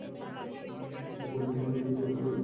এবারে কোনোরকম দুর্ঘটনা ঘটিল না।